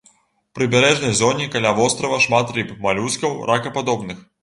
У прыбярэжнай зоне каля вострава шмат рыб, малюскаў, ракападобных.